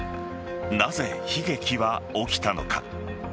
なぜ悲劇は起きたのか。